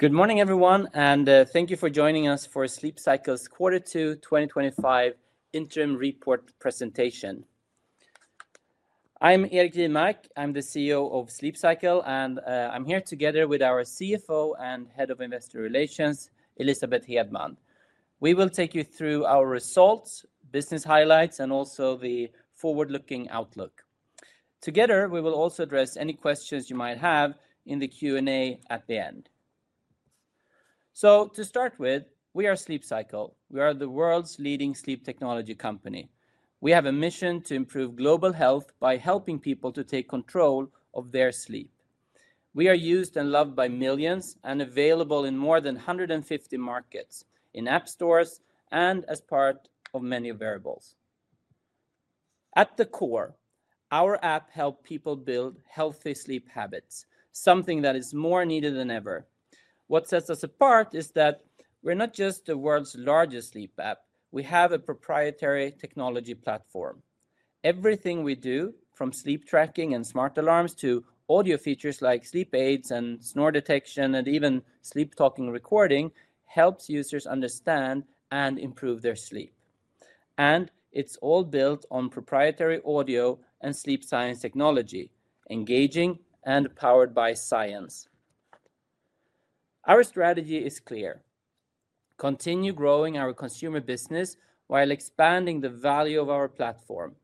Good morning, everyone, and thank you for joining us for Sleep Cycle's Q2 2025 Interim Report Presentation. I'm Erik Jivmark. I'm the CEO of Sleep Cycle, and I'm here together with our CFO and Head of Investor Relations, Elisabeth Hedman. We will take you through our results, business highlights, and also the forward-looking outlook. Together, we will also address any questions you might have in the Q&A at the end. To start with, we are Sleep Cycle. We are the world's leading sleep technology company. We have a mission to improve global health by helping people to take control of their sleep. We are used and loved by millions and available in more than 150 markets, in app stores, and as part of many wearables. At the core, our app helps people build healthy sleep habits, something that is more needed than ever. What sets us apart is that we're not just the world's largest sleep app. We have a proprietary technology platform. Everything we do, from sleep tracking and smart alarms to audio features like sleep aids and snore detection and even sleep talking recording, helps users understand and improve their sleep. It's all built on proprietary audio and sleep science technology, engaging and powered by science. Our strategy is clear: continue growing our consumer business while expanding the value of our platform.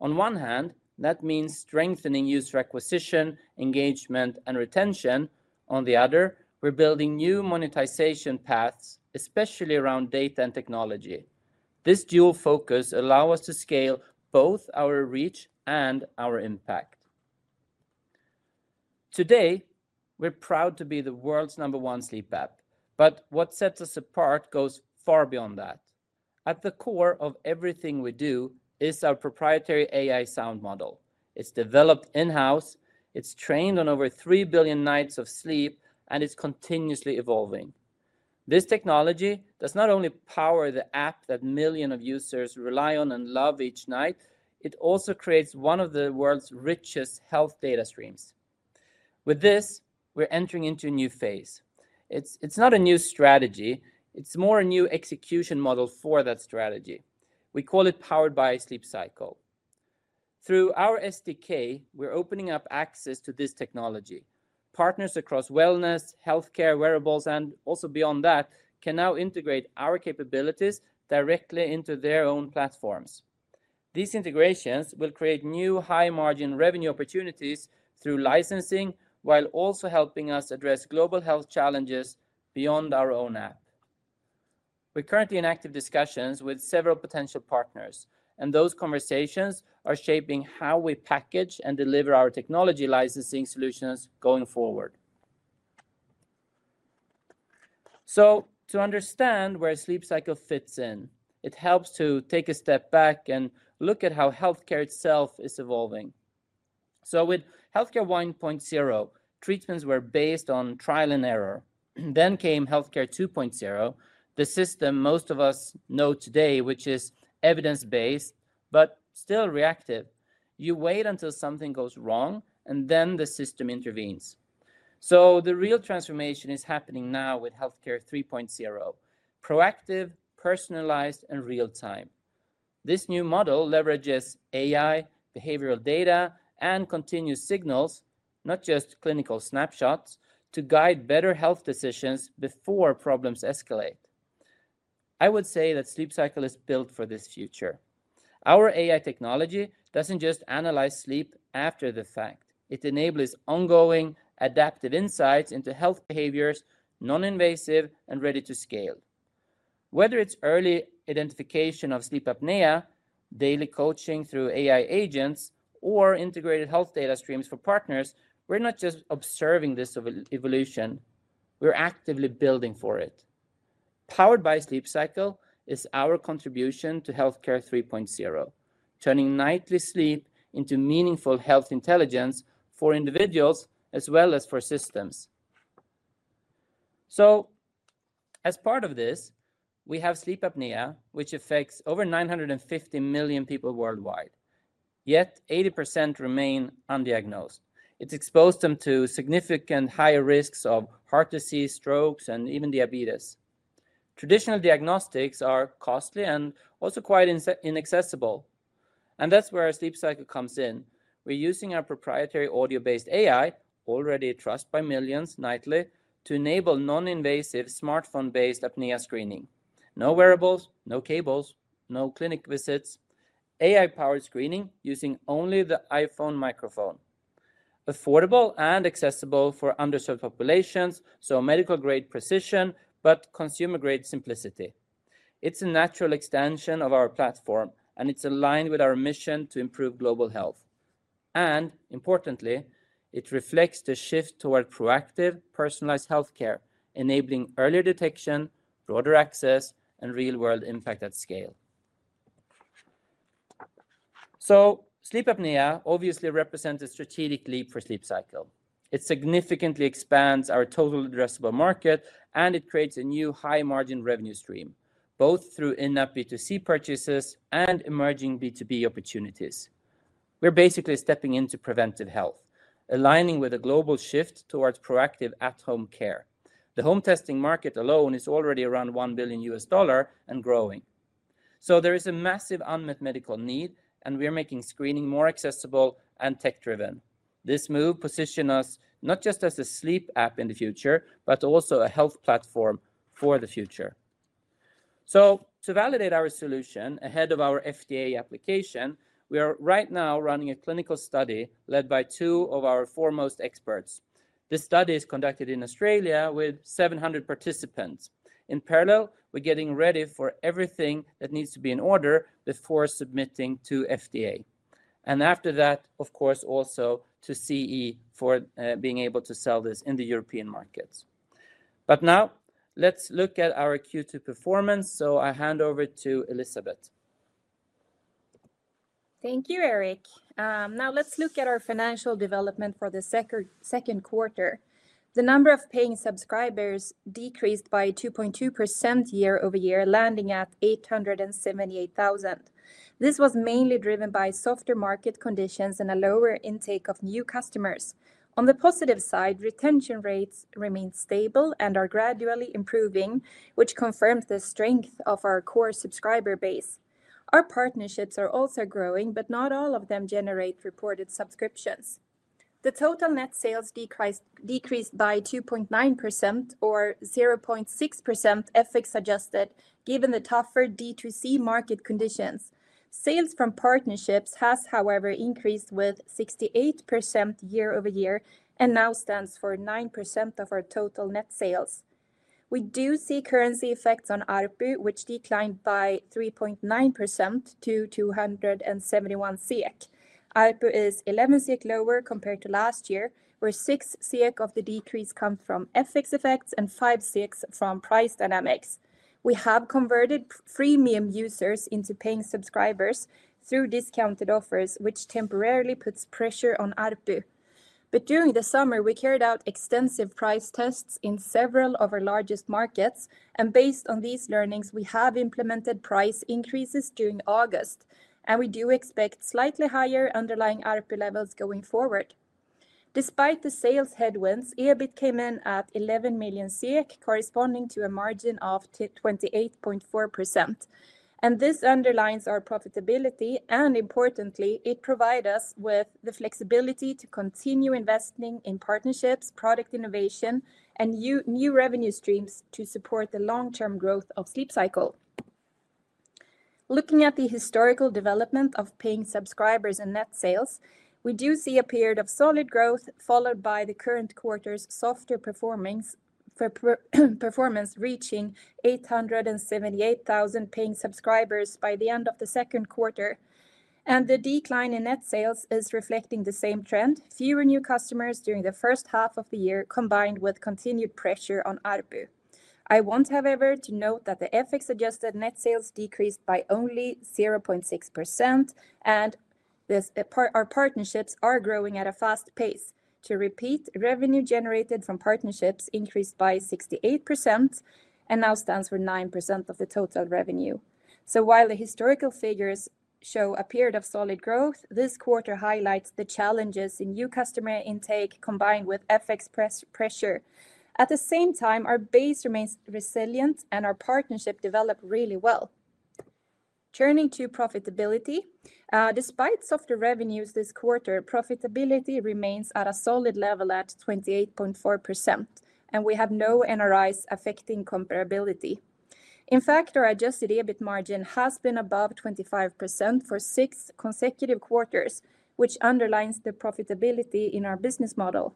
On one hand, that means strengthening user acquisition, engagement, and retention. On the other, we're building new monetization paths, especially around data and technology. This dual focus allows us to scale both our reach and our impact. Today, we're proud to be the world's number one sleep app, but what sets us apart goes far beyond that. At the core of everything we do is our proprietary AI sound model. It's developed in-house, it's trained on over 3 billion nights of sleep, and it's continuously evolving. This technology does not only power the app that millions of users rely on and love each night, it also creates one of the world's richest health data streams. With this, we're entering into a new phase. It's not a new strategy; it's more a new execution model for that strategy. We call it Powered by Sleep Cycle. Through our SDK, we're opening up access to this technology. Partners across wellness, healthcare, wearables, and also beyond that can now integrate our capabilities directly into their own platforms. These integrations will create new high-margin revenue opportunities through licensing, while also helping us address global health challenges beyond our own app. We are currently in active discussions with several potential partners, and those conversations are shaping how we package and deliver our technology licensing solutions going forward. To understand where Sleep Cycle fits in, it helps to take a step back and look at how healthcare itself is evolving. With Healthcare 1.0, treatments were based on trial and error. Then came Healthcare 2.0, the system most of us know today, which is evidence-based but still reactive. You wait until something goes wrong, and then the system intervenes. The real transformation is happening now with Healthcare 3.0, proactive, personalized, and real-time. This new model leverages AI, behavioral data, and continuous signals, not just clinical snapshots, to guide better health decisions before problems escalate. I would say that Sleep Cycle is built for this future. Our AI technology does not just analyze sleep after the fact. It enables ongoing, adaptive insights into health behaviors, non-invasive and ready to scale. Whether it is early identification of sleep apnea, daily coaching through AI agents, or integrated health data streams for partners, we are not just observing this evolution. We are actively building for it. Powered by Sleep Cycle is our contribution to Healthcare 3.0, turning nightly sleep into meaningful health intelligence for individuals as well as for systems. As part of this, we have sleep apnea, which affects over 950 million people worldwide. Yet, 80% remain undiagnosed. It exposes them to significantly higher risks of heart disease, strokes, and even diabetes. Traditional diagnostics are costly and also quite inaccessible. That is where Sleep Cycle comes in. We are using our proprietary audio-based AI, already trusted by millions nightly, to enable non-invasive smartphone-based apnea screening. No wearables, no cables, no clinic visits. AI-powered screening using only the iPhone microphone. Affordable and accessible for underserved populations, so medical-grade precision but consumer-grade simplicity. It is a natural extension of our platform, and it is aligned with our mission to improve global health. Importantly, it reflects the shift toward proactive, personalized healthcare, enabling earlier detection, broader access, and real-world impact at scale. Sleep apnea obviously represents a strategic leap for Sleep Cycle. It significantly expands our total addressable market, and it creates a new high-margin revenue stream, both through in-app B2C purchases and emerging B2B opportunities. We're basically stepping into preventive health, aligning with a global shift towards proactive at-home care. The home testing market alone is already around $1 billion and growing. There is a massive unmet medical need, and we're making screening more accessible and tech-driven. This move positions us not just as a sleep app in the future, but also a health platform for the future. To validate our solution ahead of our FDA application, we are right now running a clinical study led by two of our foremost experts. This study is conducted in Australia with 700 participants. In parallel, we're getting ready for everything that needs to be in order before submitting to the FDA. After that, of course, also to CE for being able to sell this in the European markets. Now, let's look at our Q2 performance, so I hand over to Elisabeth. Thank you, Erik. Now, let's look at our financial development for the second quarter. The number of paying subscribers decreased by 2.2% year-over-year, landing at 878,000. This was mainly driven by softer market conditions and a lower intake of new customers. On the positive side, retention rates remain stable and are gradually improving, which confirms the strength of our core subscriber base. Our partnerships are also growing, but not all of them generate reported subscriptions. The total net sales decreased by 2.9%, or 0.6% FX adjusted, given the tougher D2C market conditions. Sales from partnerships have, however, increased by 68% year-over-year and now stand for 9% of our total net sales. We do see currency effects on ARPU, which declined by 3.9% to 271 SEK. ARPU is 11 SEK lower compared to last year, where 6 SEK of the decrease come from FX effects and 5 SEK from price dynamics. We have converted freemium users into paying subscribers through discounted offers, which temporarily puts pressure on ARPU. During the summer, we carried out extensive price tests in several of our largest markets, and based on these learnings, we have implemented price increases during August. We do expect slightly higher underlying ARPU levels going forward. Despite the sales headwinds, EBIT came in at 11 million, corresponding to a margin of 28.4%. This underlines our profitability, and importantly, it provides us with the flexibility to continue investing in partnerships, product innovation, and new revenue streams to support the long-term growth of Sleep Cycle. Looking at the historical development of paying subscribers and net sales, we do see a period of solid growth, followed by the current quarter's softer performance, reaching 878,000 paying subscribers by the end of the second quarter. The decline in net sales is reflecting the same trend: fewer new customers during the first half of the year, combined with continued pressure on ARPU. I want, however, to note that the FX adjusted net sales decreased by only 0.6%, and our partnerships are growing at a fast pace. To repeat, revenue generated from partnerships increased by 68% and now stands for 9% of the total revenue. While the historical figures show a period of solid growth, this quarter highlights the challenges in new customer intake, combined with FX pressure. At the same time, our base remains resilient, and our partnerships develop really well. Turning to profitability, despite softer revenues this quarter, profitability remains at a solid level at 28.4%, and we have no NRIs affecting comparability. In fact, our adjusted EBIT margin has been above 25% for six consecutive quarters, which underlines the profitability in our business model.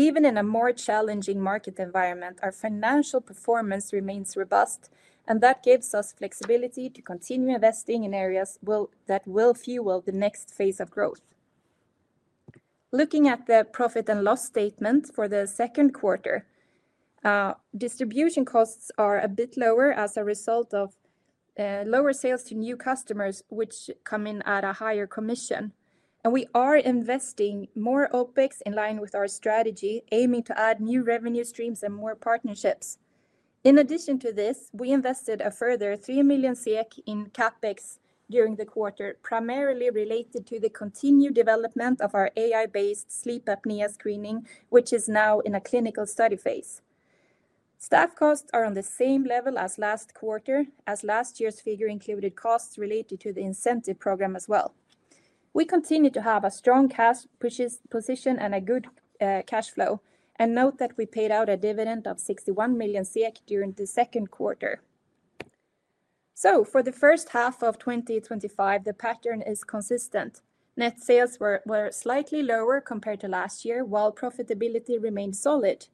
Even in a more challenging market environment, our financial performance remains robust, and that gives us flexibility to continue investing in areas that will fuel the next phase of growth. Looking at the profit and loss statement for the second quarter, distribution costs are a bit lower as a result of lower sales to new customers, which come in at a higher commission. We are investing more OpEx in line with our strategy, aiming to add new revenue streams and more partnerships. In addition to this, we invested a further 3 million SEK in CapEx during the quarter, primarily related to the continued development of our AI-based sleep apnea screening, which is now in a clinical study phase. Staff costs are on the same level as last quarter, as last year's figure included costs related to the incentive program as well. We continue to have a strong cash position and a good cash flow, and note that we paid out a dividend of 61 million SEK during the second quarter. For the first half of 2025, the pattern is consistent. Net sales were slightly lower compared to last year, while profitability remained solid.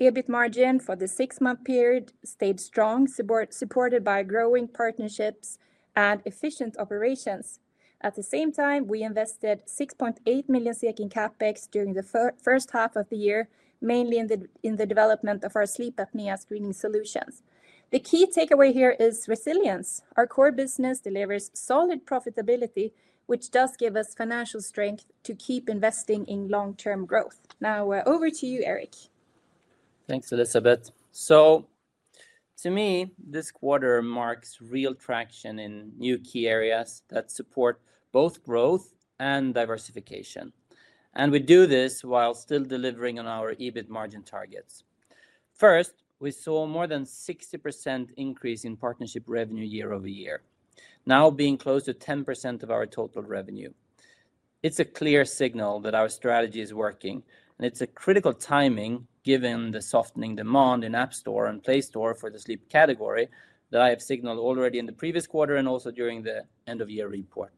EBIT margin for the six-month period stayed strong, supported by growing partnerships and efficient operations. At the same time, we invested 6.8 million in CapEx during the first half of the year, mainly in the development of our sleep apnea screening solutions. The key takeaway here is resilience. Our core business delivers solid profitability, which does give us financial strength to keep investing in long-term growth. Now, over to you, Erik. Thanks, Elisabeth. To me, this quarter marks real traction in new key areas that support both growth and diversification. We do this while still delivering on our EBIT margin targets. First, we saw a more than 60% increase in partnership revenue year-over-year, now being close to 10% of our total revenue. It's a clear signal that our strategy is working, and it's a critical timing given the softening demand in App Store and Play Store for the sleep category that I have signaled already in the previous quarter and also during the end-of-year report.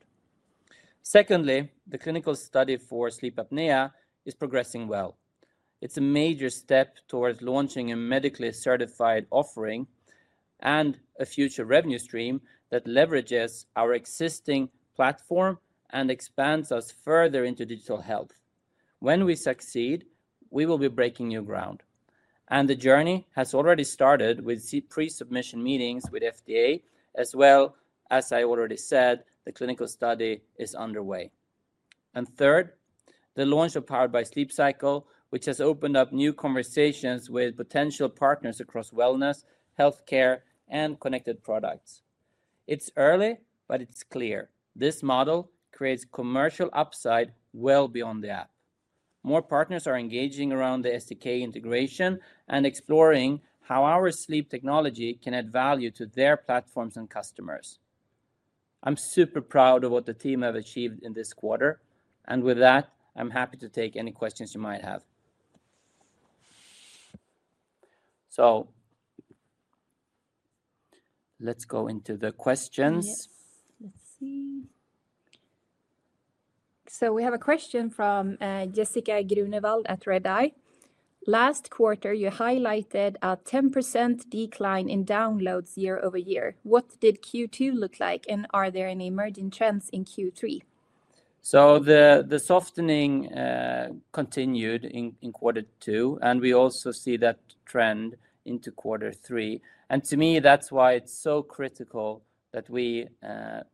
Secondly, the clinical study for sleep apnea is progressing well. It's a major step towards launching a medically certified offering and a future revenue stream that leverages our existing platform and expands us further into digital health. When we succeed, we will be breaking new ground. The journey has already started with pre-submission meetings with the FDA, as well, as I already said, the clinical study is underway. Third, the launch of Powered by Sleep Cycle, which has opened up new conversations with potential partners across wellness, healthcare, and connected products. It's early, but it's clear. This model creates commercial upside well beyond the app. More partners are engaging around the SDK integration and exploring how our sleep technology can add value to their platforms and customers. I'm super proud of what the team have achieved in this quarter, and with that, I'm happy to take any questions you might have. Let's go into the questions. Yes, let's see. We have a question from Jessica Grunewald at Redeye. Last quarter, you highlighted a 10% decline in downloads year over year. What did Q2 look like, and are there any emerging trends in Q3? The softening continued in quarter two, and we also see that trend into quarter three. To me, that's why it's so critical that we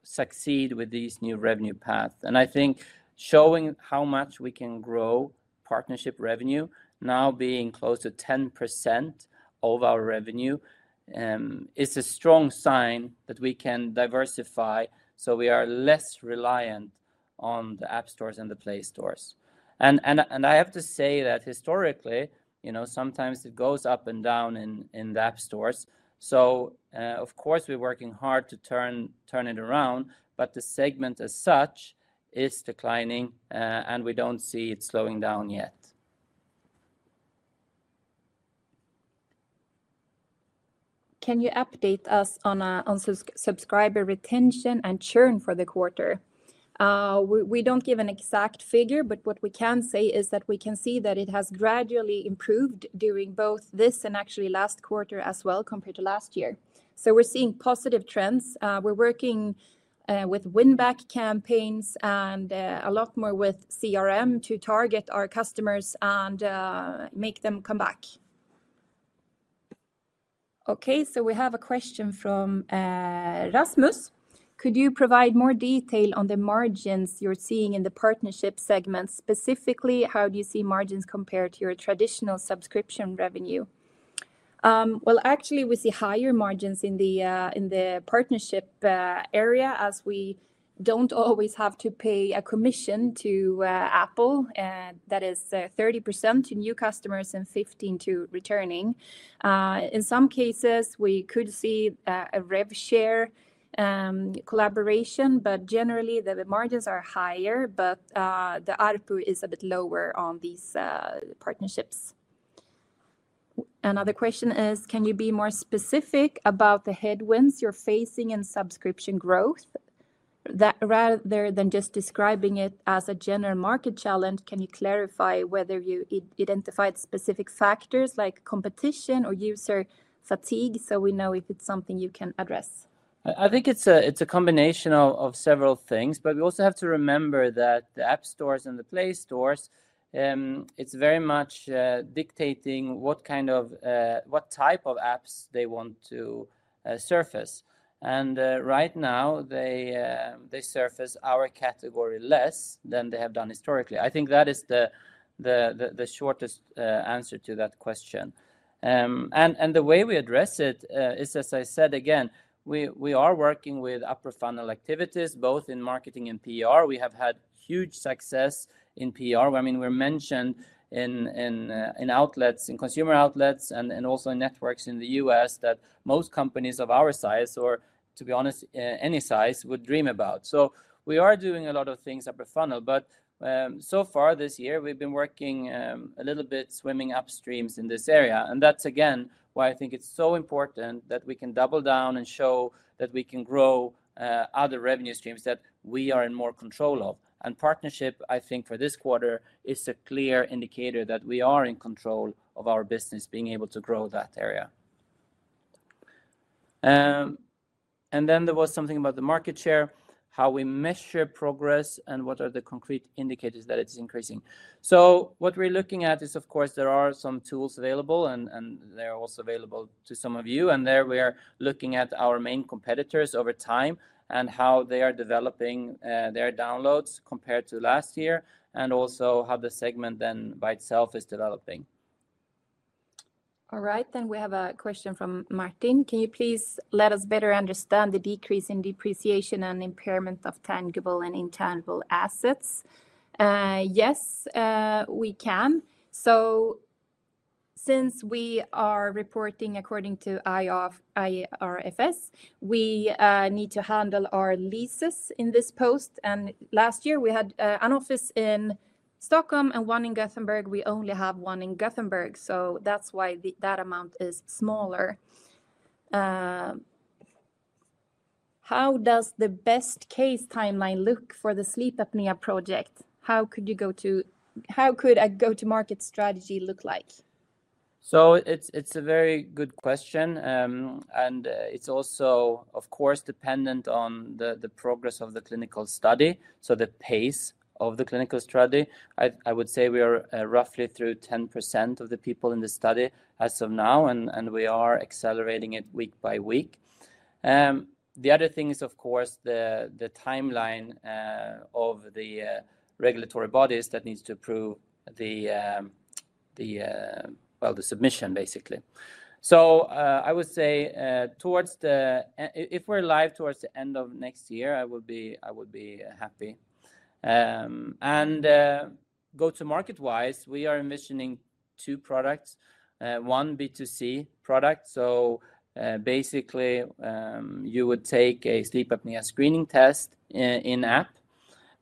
succeed with these new revenue paths. I think showing how much we can grow partnership revenue, now being close to 10% of our revenue, is a strong sign that we can diversify so we are less reliant on the App Stores and the Play Stores. I have to say that historically, you know, sometimes it goes up and down in the App Stores. Of course, we're working hard to turn it around, but the segment as such is declining, and we don't see it slowing down yet. Can you update us on subscriber retention and churn for the quarter? We don't give an exact figure, but what we can say is that we can see that it has gradually improved during both this and actually last quarter as well compared to last year. We're seeing positive trends. We're working with win-back campaigns and a lot more with CRM to target our customers and make them come back. Okay, we have a question from Rasmus. Could you provide more detail on the margins you're seeing in the partnership segment? Specifically, how do you see margins compared to your traditional subscription revenue? Actually, we see higher margins in the partnership area as we don't always have to pay a commission to Apple. That is 30% to new customers and 15% to returning. In some cases, we could see a rev share collaboration, but generally, the margins are higher, but the ARPU is a bit lower on these partnerships. Another question is, can you be more specific about the headwinds you're facing in subscription growth? Rather than just describing it as a general market challenge, can you clarify whether you identified specific factors like competition or user fatigue so we know if it's something you can address? I think it's a combination of several things, but we also have to remember that the App Stores and the Play Stores, it's very much dictating what kind of, what type of apps they want to surface. Right now, they surface our category less than they have done historically. I think that is the shortest answer to that question. The way we address it is, as I said, again, we are working with upper funnel activities, both in marketing and PR. We have had huge success in PR. I mean, we're mentioned in outlets, in consumer outlets, and also in networks in the U.S. that most companies of our size, or to be honest, any size, would dream about. We are doing a lot of things upper funnel, but so far this year, we've been working a little bit swimming upstreams in this area. That's, again, why I think it's so important that we can double down and show that we can grow other revenue streams that we are in more control of. Partnership, I think, for this quarter is a clear indicator that we are in control of our business being able to grow that area. There was something about the market share, how we measure progress, and what are the concrete indicators that it is increasing. What we're looking at is, of course, there are some tools available, and they're also available to some of you. There we are looking at our main competitors over time and how they are developing their downloads compared to last year and also how the segment then by itself is developing. All right, then we have a question from Martin. Can you please let us better understand the decrease in depreciation and impairment of tangible and intangible assets? Yes, we can. Since we are reporting according to IFRS, we need to handle our leases in this post. Last year, we had an office in Stockholm and one in Gothenburg. We only have one in Gothenburg, so that's why that amount is smaller. How does the best case timeline look for the sleep apnea project? How could a go-to-market strategy look like? It's a very good question. It's also, of course, dependent on the progress of the clinical study, so the pace of the clinical study. I would say we are roughly through 10% of the people in the study as of now, and we are accelerating it week by week. The other thing is, of course, the timeline of the regulatory bodies that need to approve the submission, basically. I would say if we're live towards the end of next year, I would be happy. Go-to-market-wise, we are envisioning two products. One B2C product, so basically, you would take a sleep apnea screening test in-app.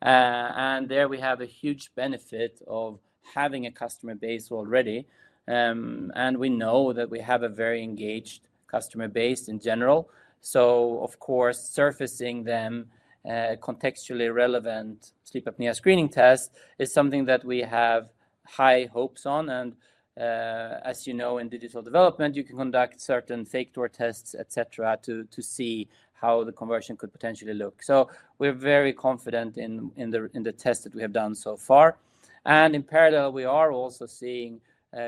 There we have a huge benefit of having a customer base already, and we know that we have a very engaged customer base in general. Of course, surfacing them contextually relevant sleep apnea screening tests is something that we have high hopes on. As you know, in digital development, you can conduct certain fake door tests, etc., to see how the conversion could potentially look. We're very confident in the tests that we have done so far. In parallel, we are also seeing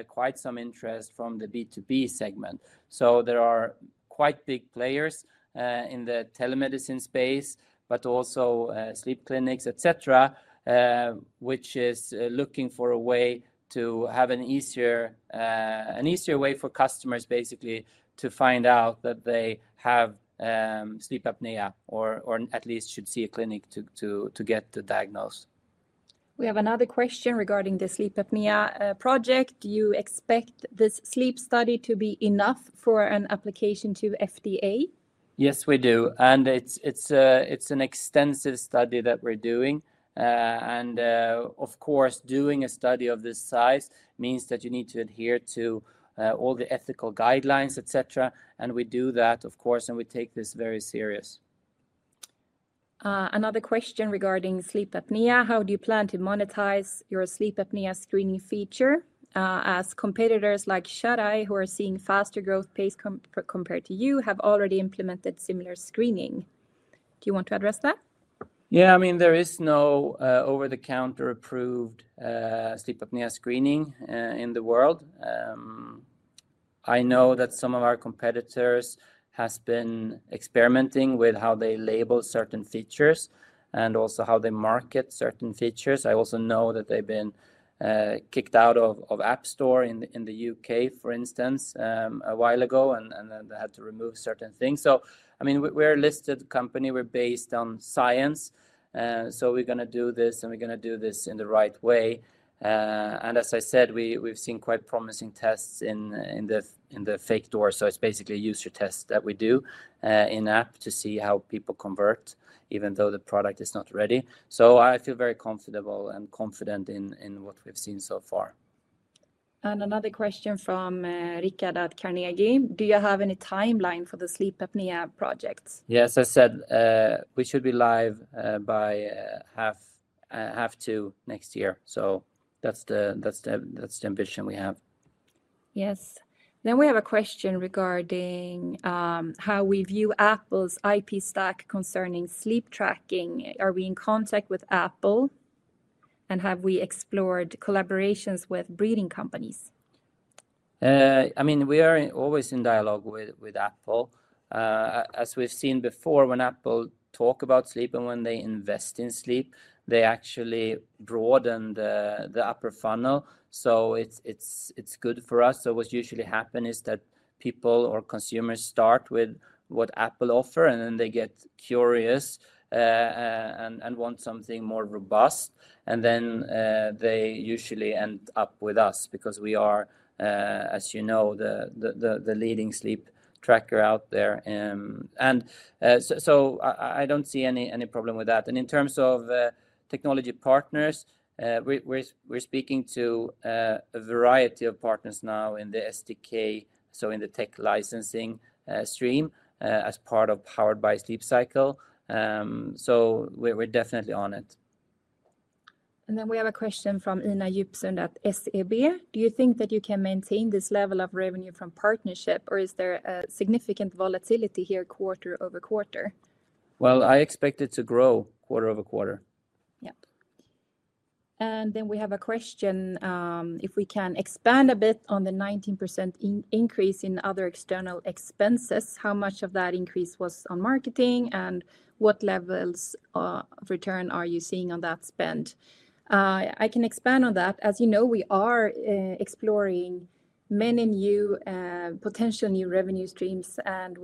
quite some interest from the B2B segment. There are quite big players in the telemedicine space, but also sleep clinics, etc., which is looking for a way to have an easier way for customers, basically, to find out that they have sleep apnea or at least should see a clinic to get diagnosed. We have another question regarding the sleep apnea project. Do you expect this sleep study to be enough for an application to the FDA? Yes, we do. It's an extensive study that we're doing. Of course, doing a study of this size means that you need to adhere to all the ethical guidelines, et cetera. We do that, of course, and we take this very serious. Another question regarding sleep apnea. How do you plan to monetize your sleep apnea screening feature as competitors like ShutEye, who are seeing faster growth pace compared to you, have already implemented similar screening? Do you want to address that? Yeah, I mean, there is no over-the-counter approved sleep apnea screening in the world. I know that some of our competitors have been experimenting with how they label certain features and also how they market certain features. I also know that they've been kicked out of the App Store in the UK, for instance, a while ago, and they had to remove certain things. We're a listed company. We're based on science. We're going to do this, and we're going to do this in the right way. As I said, we've seen quite promising tests in the fake door. It's basically a user test that we do in-app to see how people convert, even though the product is not ready. I feel very comfortable and confident in what we've seen so far. Another question from Richard at Carnegie. Do you have any timeline for the sleep apnea projects? Yes, I said we should be live by half-two. next year. That's the ambition we have. Yes. We have a question regarding how we view Apple's IP stack concerning sleep tracking. Are we in contact with Apple, and have we explored collaborations with breeding companies? We are always in dialogue with Apple. As we've seen before, when Apple talks about sleep and when they invest in sleep, they actually broaden the upper funnel. It's good for us. What's usually happened is that people or consumers start with what Apple offers, and then they get curious and want something more robust. They usually end up with us because we are, as you know, the leading sleep tracker out there. I don't see any problem with that. In terms of technology partners, we're speaking to a variety of partners now in the SDK, in the tech licensing stream as part of Powered by Sleep Cycle. We're definitely on it. We have a question from Anna Jepson at SEB. Do you think that you can maintain this level of revenue from partnership, or is there a significant volatility here quarter-over-quarter? I expect it to grow quarter-over-quarter. Yeah. We have a question if we can expand a bit on the 19% increase in other external expenses, how much of that increase was on marketing, and what levels of return are you seeing on that spend? I can expand on that. As you know, we are exploring many new potential new revenue streams, and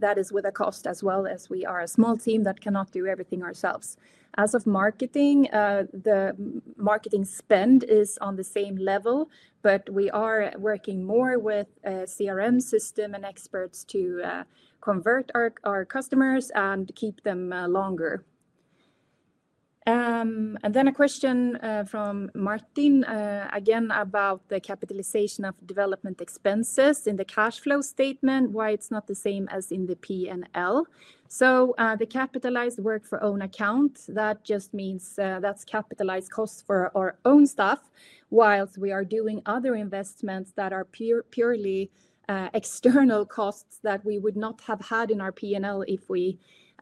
that is with a cost as well as we are a small team that cannot do everything ourselves. As of marketing, the marketing spend is on the same level, but we are working more with a CRM system and experts to convert our customers and keep them longer. A question from Martin, again, about the capitalization of development expenses in the cash flow statement, why it's not the same as in the P&L.The capitalized work for own account just means that's capitalized costs for our own staff, whilst we are doing other investments that are purely external costs that we would not have had in our P&L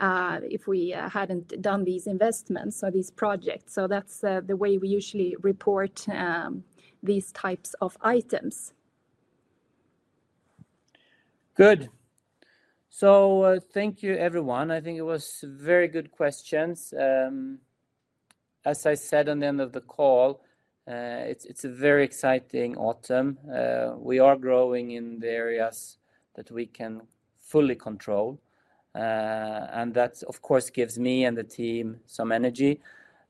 if we hadn't done these investments or these projects. That's the way we usually report these types of items. Good. Thank you, everyone. I think it was very good questions. As I said on the end of the call, it's a very exciting autumn. We are growing in the areas that we can fully control. That, of course, gives me and the team some energy.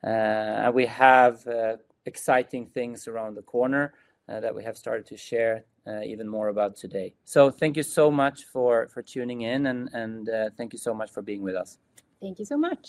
We have exciting things around the corner that we have started to share even more about today. Thank you so much for tuning in, and thank you so much for being with us. Thank you so much.